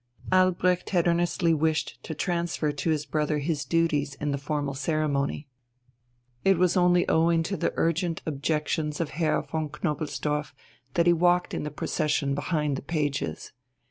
Albrecht had earnestly wished to transfer to his brother his duties in the formal ceremony. It was only owing to the urgent objections of Herr von Knobelsdorff that he walked in the procession behind the pages.